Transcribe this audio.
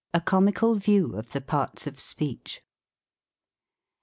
A COMICAL VIEW OF THE PARTS OF SPEECH.